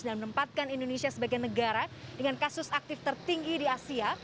dan menempatkan indonesia sebagai negara dengan kasus aktif tertinggi di asia